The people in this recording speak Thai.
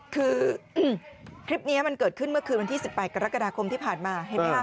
คือคลิปนี้มันเกิดขึ้นเมื่อคืนวันที่๑๘กรกฎาคมที่ผ่านมาเห็นภาพ